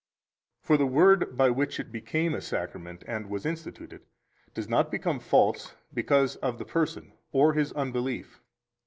17 For the Word by which it became a Sacrament and was instituted does not become false because of the person or his unbelief.